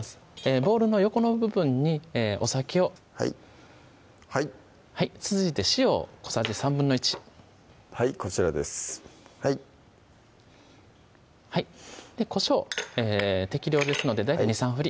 ボウルの横の部分にお酒をはい続いて塩を小さじ１／３はいこちらですはいこしょう適量ですので大体２３振り